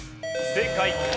正解。